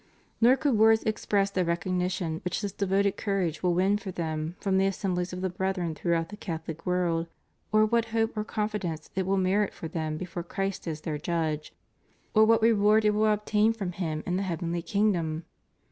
Nor could words express the recognition which this devoted courage will win for them from the assembUes of the brethren throughout the CathoUc world, or what hope or confidence it will merit for them before Christ as their Judge, or what reward it will obtain from Him in the heavenly kingdom!